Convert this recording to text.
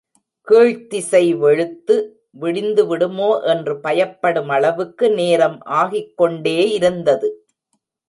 கீழ்த்திசை வெளுத்து விடிந்துவிடுமோ என்று பயப்படுமளவுக்கு நேரம் ஆகிக்கொண்டே இருந்தது.